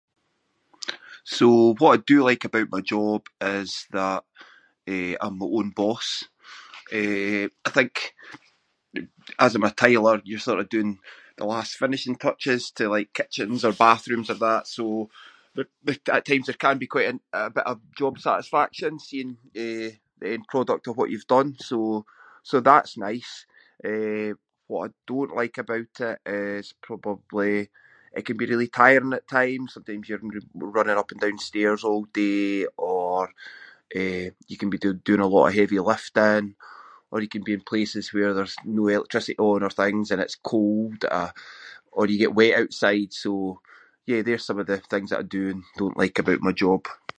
So, what I do like about my job is that, eh, I’m my own boss. Eh, I think as I’m a tiler you're sort of doing the last finishing touches to, like, kitchens or bathrooms or that, so there- there- at times there can be quite a- a bit of job satisfaction seeing, eh, the end product of what you’ve done, so- so that’s nice. Eh, what I don’t like about it is probably it can be really tiring at times- sometimes you’re r- running up and down stairs all day or, eh, you can be do- doing a lot of heavy lifting or you can be in places where there’s no electricity on or things and it’s cold or- or you get wet outside so, yeah, they’re some of things I do and don’t like about my job.